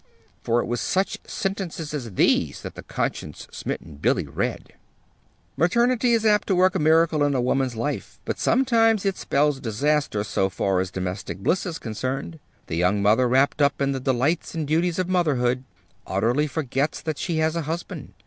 For it was such sentences as these that the conscience smitten Billy read: "Maternity is apt to work a miracle in a woman's life, but sometimes it spells disaster so far as domestic bliss is concerned. The young mother, wrapped up in the delights and duties of motherhood, utterly forgets that she has a husband.